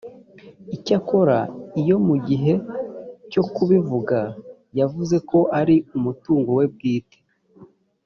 icyakora iyo mu gihe cyo kubivuga yavuze ko ari umutungo we bwite